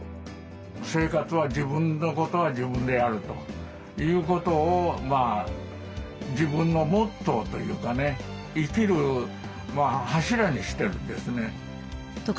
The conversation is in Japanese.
生活は自分のことは自分でやるということを自分のモットーというかね生きる柱にしてるんですね。